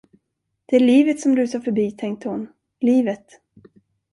Det är livet som rusar förbi, tänkte hon, livet!